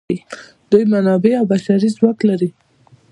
دوی منابع او بشري ځواک لري.